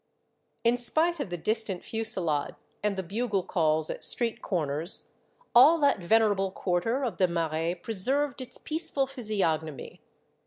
In spite of the distant fusillade and the bugle calls at street corners, all that venerable quarter of the Marais preserved its peaceful physiognomy.